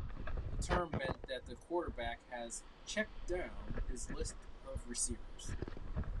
The term means that the quarterback has "checked down" his list of receivers.